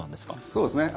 そうですね。